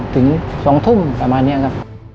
ถึง๒ทุ่มประมาณนี้ครับ